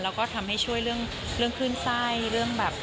แล้วก็ทำให้ช่วยเรื่องคลื่นไส้เรื่องแบบ